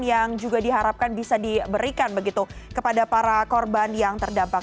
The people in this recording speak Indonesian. yang juga diharapkan bisa diberikan begitu kepada para korban yang terdampak